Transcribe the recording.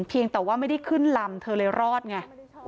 เพียงแต่ว่าไม่ได้ขึ้นลำเธอเลยรอดไง